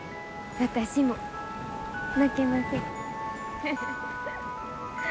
私も負けません。